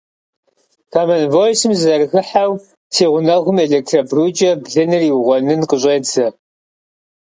Комон Войсым сызэрыхыхьэу, си гъунэгъум электробрукӏэ блыныр иугъуэнын къыщӏедзэ!